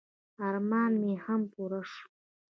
ارمان مې هم پوره شو.